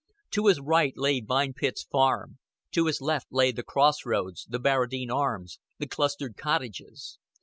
To his right lay Vine Pits Farm; to his left lay the Cross Roads, the Barradine Arms, the clustered cottages.